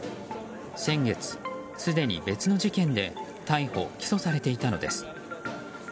先月、すでに別の事件で逮捕・起訴されていたのです。